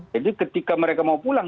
jadi ketika mereka mau pulang